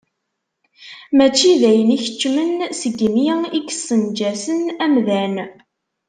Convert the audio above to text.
Mačči d ayen ikeččmen seg yimi i yessenǧasen amdan.